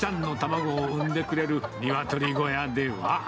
たくさんの卵を産んでくれるニワトリ小屋では。